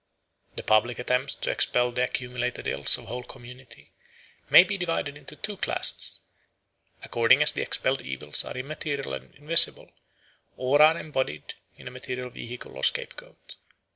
The public attempts to expel the accumulated ills of a whole community may be divided into two classes, according as the expelled evils are immaterial and invisible or are embodied in a material vehicle or scape goat.